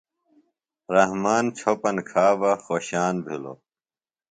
رحمان چھوۡپن کھا بہ خوۡشان بِھلوۡ۔